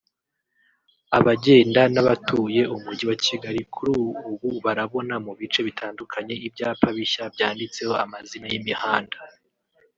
Abagenda n’abatuye Umujyi wa Kigali kuri ubu barabona mu bice bitandukanye ibyapa bishya byanditseho amazina y’imihanda